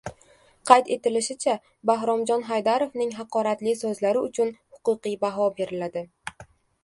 Qayd etilishicha, Bahromjon Haydarovning haqoratli so‘zlari uchun huquqiy baho beriladi